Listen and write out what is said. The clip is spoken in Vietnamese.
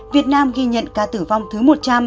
việt nam ghi nhận ca tử vong thứ một trăm linh